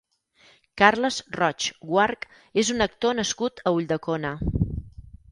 Carles Roig Guarch és un actor nascut a Ulldecona.